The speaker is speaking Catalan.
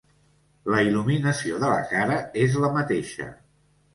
La il·luminació de la cara és la mateixa.